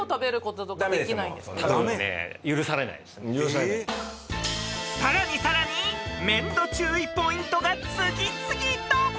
［さらにさらにめんど注意ポイントが次々と］